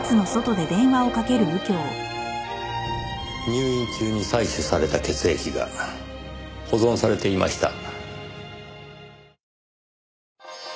入院中に採取された血液が保存されていました。